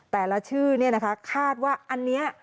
แต่ละชื่อเนี่ยนะคะคาดว่าอันนี้